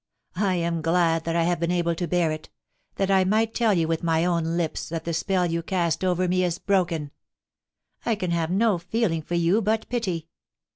I am glad that I have been able to bear it — that I might tell you with my own lips that the spell you cast over me is broken. I can have no feeling for you but pity.